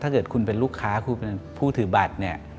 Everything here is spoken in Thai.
ถ้าเกิดคุณเป็นลูกค้าคุณเป็นผู้ถือบัตรเนี่ย